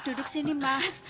duduk sini mas